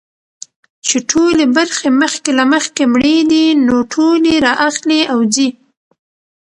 چي ټولي برخي مخکي له مخکي مړې دي نو ټولي را اخلي او ځي.